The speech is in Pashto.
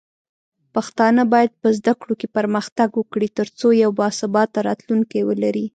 پښتانه بايد په زده کړو کې پرمختګ وکړي، ترڅو یو باثباته راتلونکی ولري.